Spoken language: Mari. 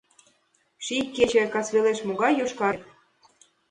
Ший кече касвелеш молан йошкарге?